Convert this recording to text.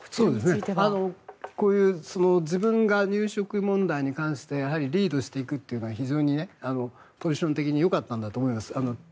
こういう自分が入植問題に関してリードしていくというのは非常にポジション的によかったんだと思います。